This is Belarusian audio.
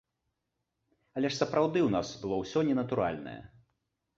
Але ж сапраўды ў нас было ўсё ненатуральнае.